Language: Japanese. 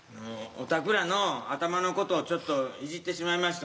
おたくらの頭のことをちょっといじってしまいました。